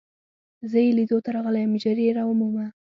زه يې لیدو ته راغلی یم، ژر يې را ومومه.